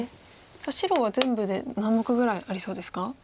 さあ白は全部で何目ぐらいありそうですか？